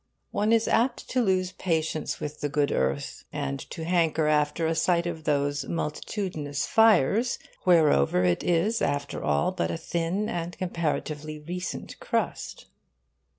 One is apt to lose patience with the good earth, and to hanker after a sight of those multitudinous fires whereover it is, after all, but a thin and comparatively recent crust.